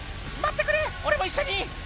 待ってくれ俺も一緒に！